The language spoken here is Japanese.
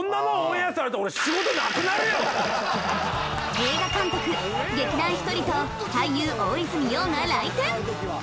映画監督劇団ひとりと俳優大泉洋が来店。